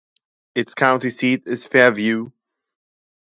Its county seat is Fairview.